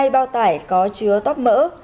hai bao tải có chứa tóc mỡ